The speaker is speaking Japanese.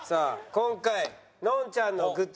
今回のんちゃんのグッズ。